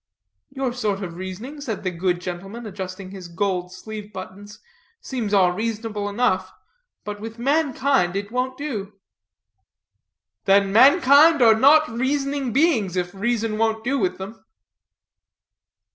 "Your sort of reasoning," said the good gentleman, adjusting his gold sleeve buttons, "seems all reasonable enough, but with mankind it wont do." "Then mankind are not reasoning beings, if reason wont do with them."